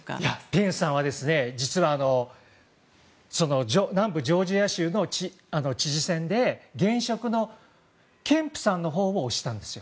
ペンスさんは実は南部ジョージア州の知事選で現職のほうを推したんです。